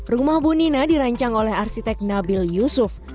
rumah bu nina dirancang oleh arsitek nabil yusuf